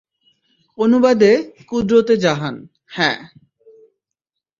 অনুবাদে - কুদরতে জাহান - হ্যাঁ।